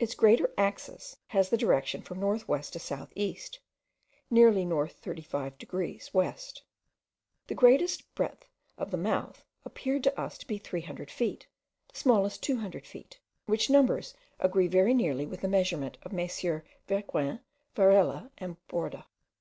Its greater axis has a direction from north west to south east, nearly north 35 degrees west. The greatest breadth of the mouth appeared to us to be 300 feet, the smallest 200 feet, which numbers agree very nearly with the measurement of MM. Verguin, Varela, and Borda.